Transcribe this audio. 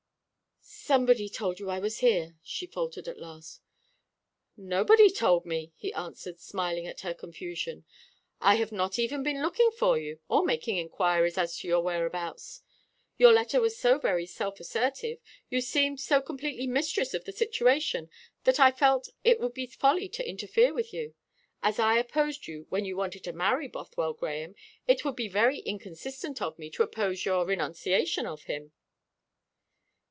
"Somebody told you I was here," she faltered at last. "Nobody told me," he answered, smiling at her confusion. "I have not even been looking for you, or making inquiries as to your whereabouts. Your letter was so very self assertive, you seemed so completely mistress of the situation, that I felt it would be folly to interfere with you. As I opposed you when you wanted to marry Bothwell Grahame, it would be very inconsistent of me to oppose your renunciation of him."